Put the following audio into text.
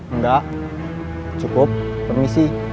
enggak cukup permisi